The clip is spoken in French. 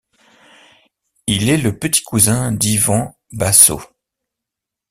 Il est le petit cousin d'Ivan Basso.